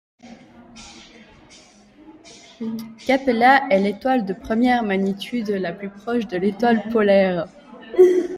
Capella est l'étoile de première magnitude la plus proche de l'étoile polaire.